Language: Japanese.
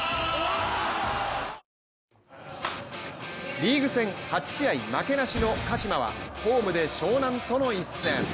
リーグ戦８試合負けなしの鹿島はホームで湘南との一戦。